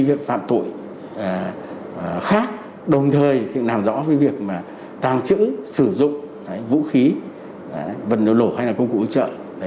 việc phạm tội khác đồng thời thì làm rõ việc tàng trữ sử dụng vũ khí vật liệu nổ hay là công cụ hỗ trợ